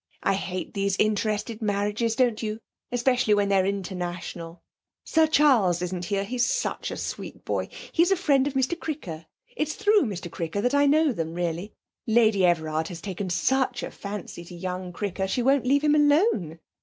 I hate these interested marriages, don't you? especially when they're international. Sir Charles isn't here; he's such a sweet boy. He's a friend of Mr Cricker; it's through Mr Cricker I know them, really. Lady Everard has taken such a fancy to young Cricker; she won't leave him alone.